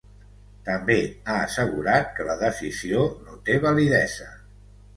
També ha assegurat que la decisió ‘no té validesa’.